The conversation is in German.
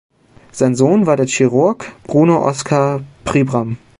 Sein Sohn war der Chirurg Bruno Oskar Pribram.